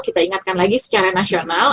kita ingatkan lagi secara nasional